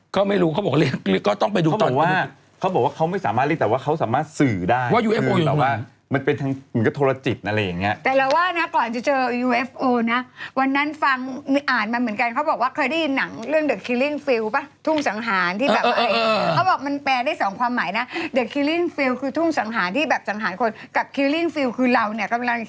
เขาไม่ให้กินหนุ่มให้กินหนุ่มบอกว่าให้ตั้งใจอ่านหนังสือค่ะ